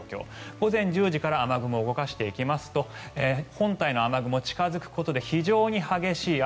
午前１０時から雨雲動かしていきますと本体の雨雲近付くことで非常に激しい雨。